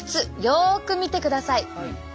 よく見てください。